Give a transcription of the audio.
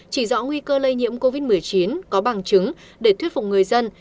chỉ rõ nguy cơ lây nhiễm covid một mươi chín có bằng chứng để thuyết phục người dân